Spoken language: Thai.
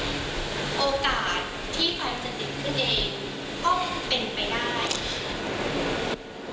โอกาสที่ไฟจะติดขึ้นเองก็เป็นไปได้